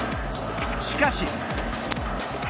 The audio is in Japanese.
しかし。